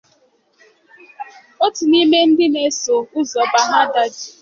otu n’ime ndị na-eso ụzọ Baghdadi